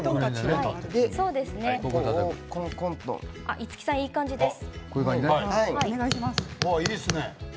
五木さん、いい感じです。